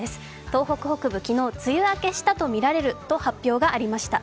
東北北部、昨日梅雨明けしたとみられると発表がありました。